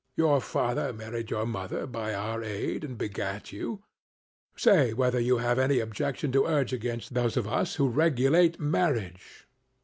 Your father married your mother by our aid and begat you. Say whether you have any objection to urge against those of us who regulate marriage?'